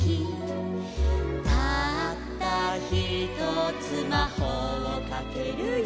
「たったひとつまほうをかけるよ」